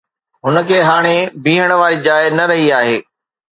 هن کي هاڻي بيهڻ واري جاءِ نه رهي آهي